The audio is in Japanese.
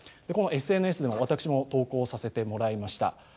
このＳＮＳでは私も投稿させてもらいました。